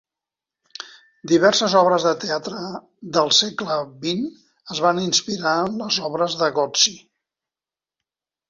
Diverses obres de teatre de el segle XX es van inspirar en les obres de Gozzi.